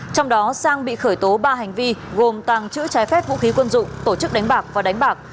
trong đó sang bị khởi tố ba hành vi gồm tàng trữ trái phép vũ khí quân dụng tổ chức đánh bạc và đánh bạc